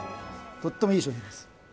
とってもいい商品です